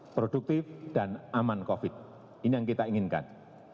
produktif dan aman covid ini yang kita inginkan